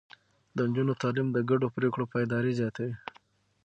د نجونو تعليم د ګډو پرېکړو پايداري زياتوي.